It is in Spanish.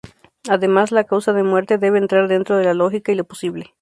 Además, la causa de muerte debe entrar dentro de la lógica y lo posible.